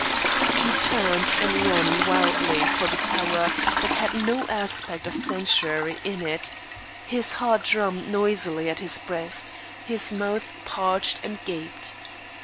He turned and ran wildly for the tower that had no aspect of sanctuary in it; his heart drummed noisily at his breast; his mouth parched and gaped.